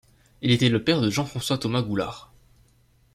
Il était le père de Jean-François-Thomas Goulard.